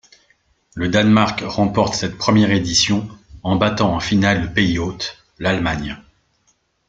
Le Danemark remporte cette première édition en battant en finale le pays hôte, l'Allemagne.